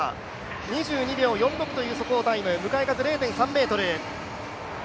２２秒４６という速報タイム向かい風０．３メートル。